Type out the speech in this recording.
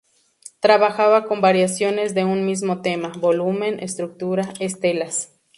Trabajaba con variaciones de un mismo tema: volumen, estructura, estelas...